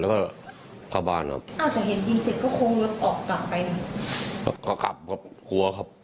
ก็กลับครับกลัวครับ